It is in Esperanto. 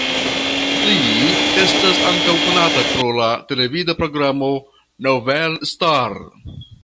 Li estas ankaŭ konata pro la televida programo "Nouvelle Star".